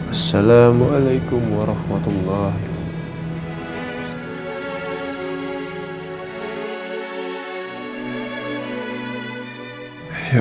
assalamualaikum warahmatullahi wabarakatuh